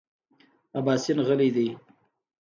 اباسین غلی دی .